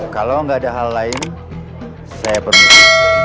kalau nggak ada hal lain saya pemilu